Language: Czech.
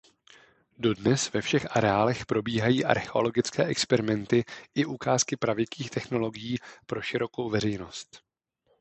Dodnes ve všech areálech probíhají archeologické experimenty i ukázky pravěkých technologií pro širokou veřejnost.